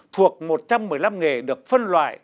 thuộc một trăm một mươi năm nghề được phân loại